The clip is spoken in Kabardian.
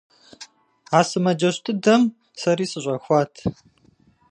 А сымаджэщ дыдэм сэри сыщӀэхуат.